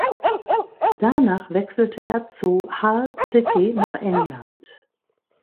Danach wechselte er zu Hull City nach England.